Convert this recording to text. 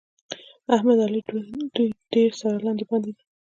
احمد او علي دوی ډېر سره لاندې باندې دي.